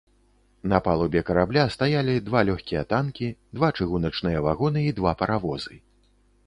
На палубе карабля стаялі два лёгкія танкі, два чыгуначныя вагоны і два паравозы.